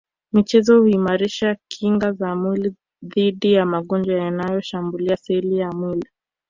michezo huimarisha kinga za mwili dhidi ya magonjwa yanayo shambulia seli za mwili